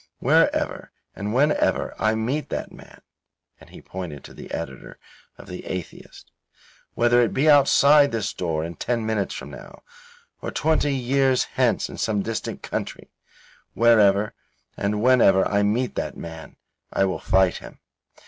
Wherever and whenever I meet that man," and he pointed to the editor of The Atheist, "whether it be outside this door in ten minutes from now, or twenty years hence in some distant country, wherever and whenever I meet that man, I will fight him.